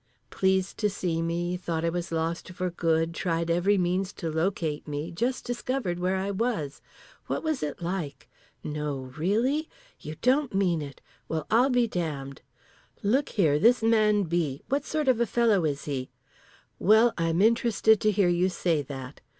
Pleased to see me. Thought I was lost for good. Tried every means to locate me. Just discovered where I was. What was it like? No, really? You don't mean it! Well I'll be damned! Look here; this man B., what sort of a fellow is he? Well I'm interested to hear you say that.